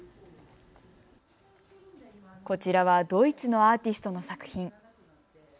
こちらはドイツのアーティストの作品。